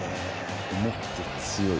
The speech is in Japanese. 重くて、強い。